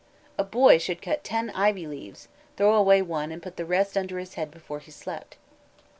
A boy should cut ten ivy leaves, throw away one and put the rest under his head before he slept.